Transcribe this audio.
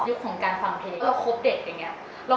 ยุคของการฟังเพลส